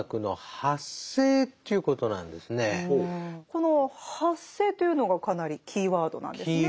この「発生」というのがかなりキーワードなんですね。